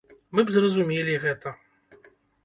Мы б зразумелі гэта!